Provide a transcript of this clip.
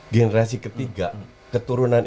generasi ketiga keturunan